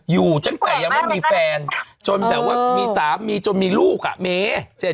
อยู่ตั้งแต่ยังไม่มีแฟนจนแบบว่ามีสามีจนมีลูกอ่ะเม